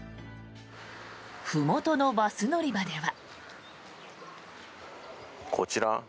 ふもとのバス乗り場では。